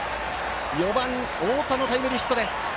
４番、太田のタイムリーヒット。